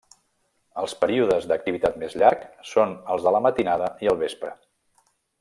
Els períodes d'activitat més llarg són els de la matinada i el vespre.